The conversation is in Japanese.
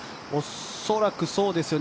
恐らくそうですよね。